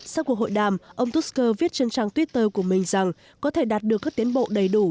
sau cuộc hội đàm ông tusk viết trên trang twitter của mình rằng có thể đạt được các tiến bộ đầy đủ